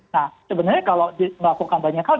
nah sebenarnya kalau melakukan banyak hal